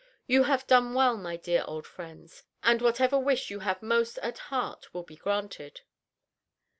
You have done well, my dear old friends, and whatever wish you have most at heart will be granted."